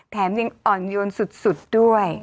แถมยังอ่อนโยนสุดด้วย